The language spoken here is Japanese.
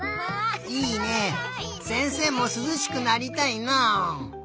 せんせいもすずしくなりたいな。